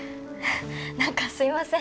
なんかすいません。